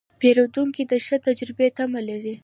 پیرودونکی د ښه تجربې تمه لري.